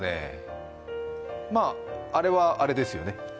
まあ、あれはあれですよね。